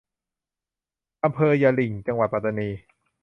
อำเภอยะหริ่ง จังหวัดปัตตานี